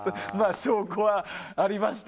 証拠はありました。